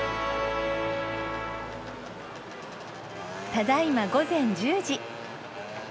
ただいま午前１０時。